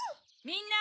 ・みんな！